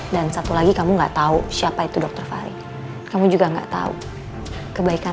bukan hak kamu untuk menghakimi tulus atau enggaknya seseorang